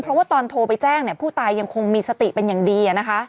เพราะว่าตอนโทรไปแจ้งผู้ตายยังคงมีสติเป็นอย่างดีนะคะ